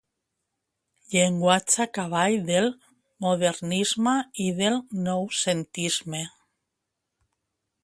Llenguatge a cavall del modernisme i del noucentisme.